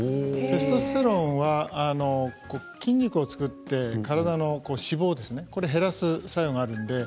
テストステロンは筋肉を作って体の脂肪を減らす作用があります。